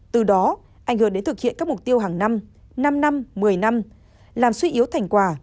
từ đó ảnh hưởng đến thực hiện các mục tiêu hàng năm năm một mươi năm làm suy yếu thành quả